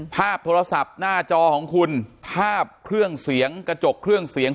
ภาพโทรศัพท์หน้าจอของคุณภาพเครื่องเสียงกระจกเครื่องเสียง